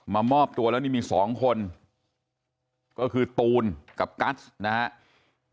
มอบตัวแล้วนี่มี๒คนก็คือตูนกับกัสนะครับ